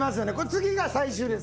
次が最終ですから。